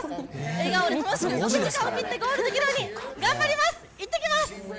笑顔で楽しく６時間を切ってゴールできるように頑張ります、行ってきます！